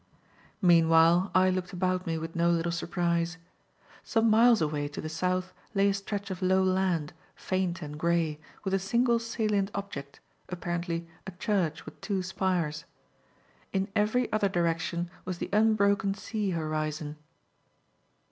Meanwhile I looked about me with no little surprise. Some miles away to the south lay a stretch of low land, faint and grey, with a single salient object, apparently a church with two spires. In every other direction was the unbroken sea horizon.